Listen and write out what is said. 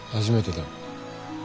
初めてだ。